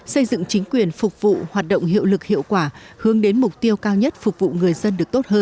xây dựng chính quyền phục vụ hoạt động hiệu lực hiệu quả hướng đến mục tiêu cao nhất phục vụ người dân được tốt hơn